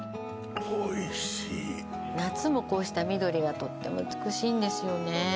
夏もこうした緑がとっても美しいんですよね